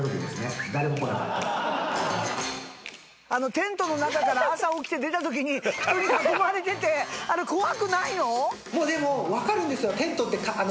テントの中から朝起きて出たときに人に囲まれててあれ怖くないの？